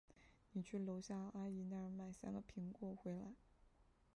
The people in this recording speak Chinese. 你去楼下阿姨那儿买三个苹果回来。